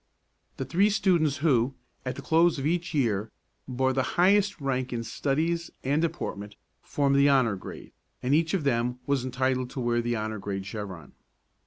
The three students who, at the close of each year, bore the highest rank in studies and deportment formed the honor grade, and each of them was entitled to wear the honor grade chevron.